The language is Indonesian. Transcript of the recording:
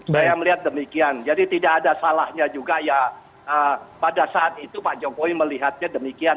saya melihat demikian jadi tidak ada salahnya juga ya pada saat itu pak jokowi melihatnya demikian